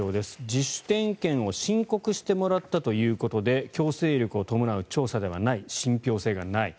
自主点検を申告してもらったということで強制力を伴う調査ではない信憑性がない。